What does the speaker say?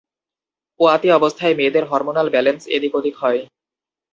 পোয়াতি অবস্থায় মেয়েদের hormonal balance এদিক-ওদিক হয়।